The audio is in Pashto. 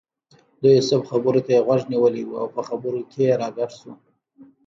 د یوسف خبرو ته یې غوږ نیولی و او په خبرو کې راګډ شو.